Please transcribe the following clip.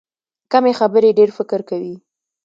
کمې خبرې، ډېر فکر کوي.